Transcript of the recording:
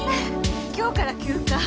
今日から休暇。